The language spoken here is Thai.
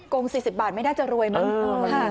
ง๔๐บาทไม่น่าจะรวยมั้ง